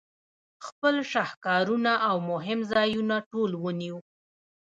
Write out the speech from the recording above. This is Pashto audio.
خپل شهکارونه او مهم ځایونه ټول وینو.